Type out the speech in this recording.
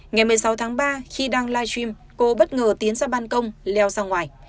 ngày một mươi sáu tháng ba khi đang live stream cô bất ngờ tiến ra ban công leo ra ngoài